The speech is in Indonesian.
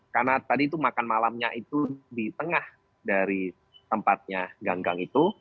karena tadi itu makan malamnya itu di tengah dari tempatnya gang gang itu